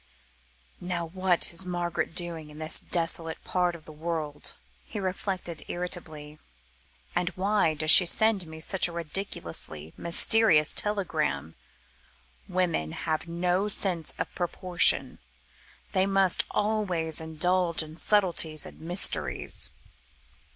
"Now, what is Margaret doing in this desolate part of the world?" he reflected irritably; "and why does she send me such a ridiculously mysterious telegram? Women have no sense of proportion; they must always indulge in subtleties and mysteries."